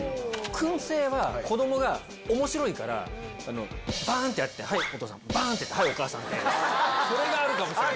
くん製は、子どもがおもしろいから、ばーんってやって、はい、お父さん、ばーんってやって、はい、お母さんって、それがあるかもしれない。